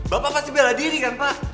bapak kasih bela diri kan pak